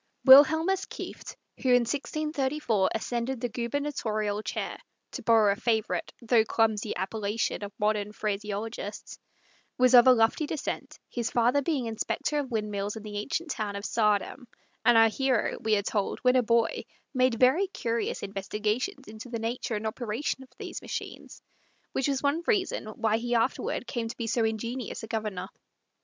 Wilhelmus Kieft, who in 1634 ascended the gubernatorial chair (to borrow a favorite though clumsy appellation of modern phraseologists), was of a lofty descent, his father being inspector of windmills in the ancient town of Saardam; and our hero, we are told, when a boy, made very curious investigations into the nature and operations of these machines, which was one reason why he afterward came to be so ingenious a Governor.